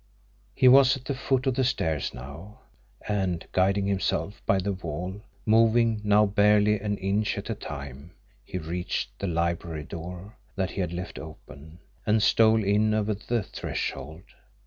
He was at the foot of the stairs now; and, guiding himself by the wall, moving now barely an inch at a time, he reached the library door that he had left open, and stole in over the threshold.